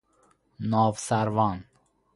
ناوسروان